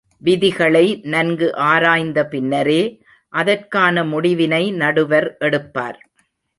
விதிகளை நன்கு ஆராய்ந்த பின்னரே, அதற்கான முடிவினை நடுவர் எடுப்பார்.